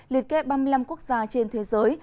liệt kê ba mươi năm quốc gia trên thế giới